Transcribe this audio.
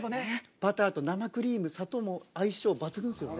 バターと生クリーム、砂糖の相性、抜群ですよね。